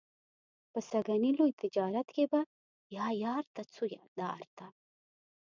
په سږني لوی تجارت کې به یا یار ته څو یا دار ته.